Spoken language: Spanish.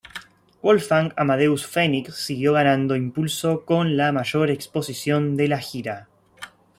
Wolfgang Amadeus Phoenix siguió ganando impulso con la mayor exposición de la gira.